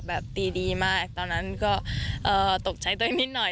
ตีดีมากตอนนั้นก็ตกใจตัวเองนิดหน่อย